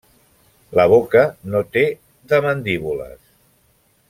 La boca no té de mandíbules.